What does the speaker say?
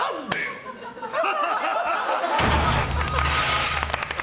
ハハハハ！